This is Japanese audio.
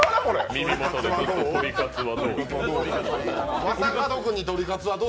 耳元で、とりカツはどう？